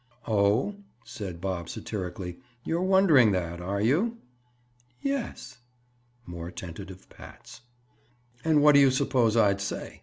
"Oh," said Bob satirically, "you're wondering that, are you?" "Yes." More tentative pats. "And what do you suppose I'd say?"